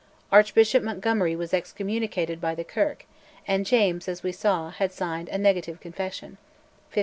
Archbishop Montgomery was excommunicated by the Kirk, and James, as we saw, had signed "A Negative Confession" (1581).